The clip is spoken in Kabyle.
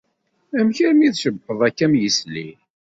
Amek armi d-tcebbḥeḍ akka am yesli?